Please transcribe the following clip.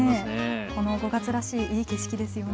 ５月らしいいい景色ですよね。